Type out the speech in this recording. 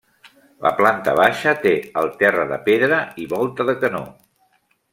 La planta baixa té el terra de pedra i volta de canó.